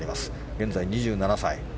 現在２７歳。